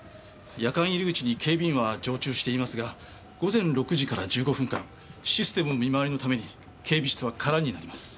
夜間入り口に警備員は常駐していますが午前６時から１５分間システム見回りのために警備室は空になります。